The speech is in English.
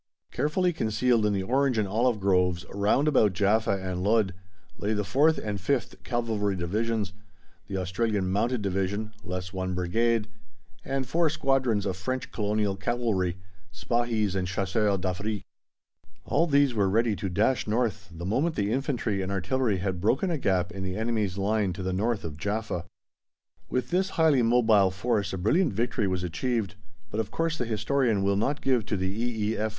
Carefully concealed in the orange and olive groves round about Jaffa and Ludd lay the 4th and 5th Cavalry Divisions, the Australian Mounted Division (less one Brigade), and four squadrons of French Colonial Cavalry (Spahis and Chasseurs d'Afrique). All these were ready to dash north the moment the infantry and artillery had broken a gap in the enemy's line to the North of Jaffa. With this highly mobile force a brilliant victory was achieved, but of course the historian will not give to the E.E.F.